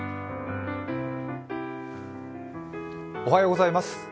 おはようございます。